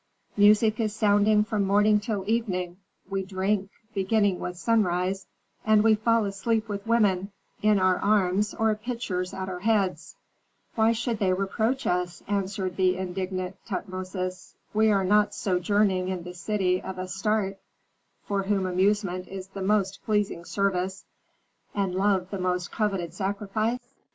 Music is sounding from morning till evening; we drink, beginning with sunrise, and we fall asleep with women in our arms or pitchers at our heads." "Why should they reproach us?" answered the indignant Tutmosis. "Are we not sojourning in the city of Astarte, for whom amusement is the most pleasing service, and love the most coveted sacrifice?